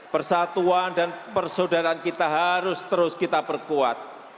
persatuan dan persaudaraan kita harus terus kita perkuat